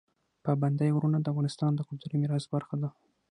پابندی غرونه د افغانستان د کلتوري میراث برخه ده.